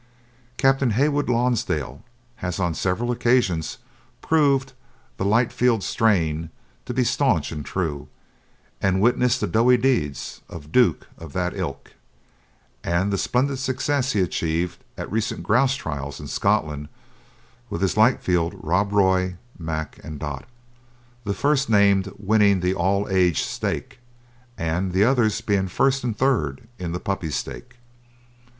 Captain Heywood Lonsdale has on several occasions proved the Ightfield strain to be staunch and true, as witness the doughty deeds of Duke of that ilk, and the splendid success he achieved at recent grouse trials in Scotland with his Ightfield Rob Roy, Mack, and Dot, the first named winning the all aged stake, and the others being first and third in the puppy stake.